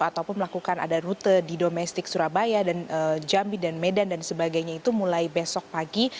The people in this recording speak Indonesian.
ataupun melakukan ada rute di domestik surabaya dan jambi dan medan dan sebagainya itu mulai besok pagi